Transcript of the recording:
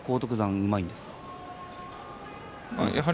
うまいですか。